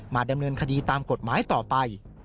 ดำเนินคดีตามกฎหมายต่อไป